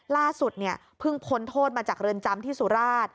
ล่าสุดเนี่ยเพิ่งพ้นโทษมาจากเรือนจำที่สุราช